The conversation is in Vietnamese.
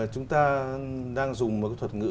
chúng ta đang dùng một thuật ngữ